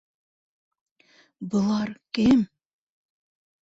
Былар... кем?!